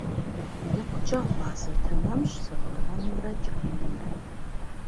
ИкъукӀэ гъуазэ тэмэмщ сэхуранымрэ кӀэрынымрэ.